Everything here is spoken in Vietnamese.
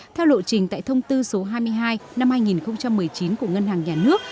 theo lộ trình tại thông tư số hai mươi hai năm hai nghìn một mươi chín của ngân hàng nhà nước